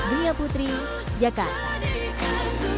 di putri jakarta